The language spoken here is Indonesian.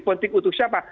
penting untuk siapa